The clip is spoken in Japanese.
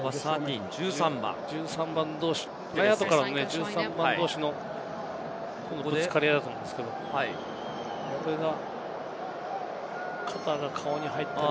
１３番同士のぶつかり合いだと思うんですけれども、これが肩が顔に入っている。